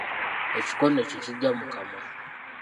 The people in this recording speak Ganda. Ekikonde tekigya mu kamwa.